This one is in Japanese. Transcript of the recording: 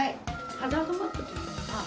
ハザードマップというのは。